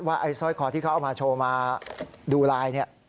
ไอ้สร้อยคอที่เขาเอามาโชว์มาดูไลน์เนี่ย